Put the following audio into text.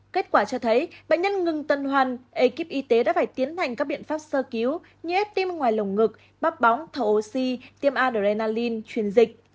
kết quả cho thấy bệnh nhân ngừng tân hoan ekip y tế đã phải tiến hành các biện pháp sơ cứu như ép tim ngoài lồng ngực bắp bóng thở oxy tiêm adrenaline truyền dịch